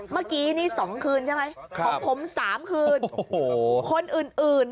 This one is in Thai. เมื่อกี้นี่๒คืนใช่ไหมของผม๓คืน